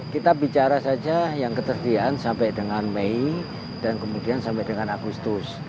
kita bicara saja yang ketersediaan sampai dengan mei dan kemudian sampai dengan agustus